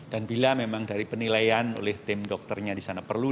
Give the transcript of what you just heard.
dan bila memang dari penilaian oleh tim dokternya di sana perlu